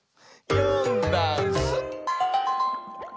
「よんだんす」